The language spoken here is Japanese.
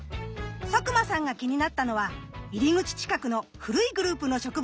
佐久間さんが気になったのは入り口近くの古いグループの植物でした。